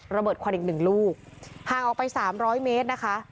ระเบิดควันอีกหนึ่งลูกห่างออกไป๓๐๐เมตรนะคะ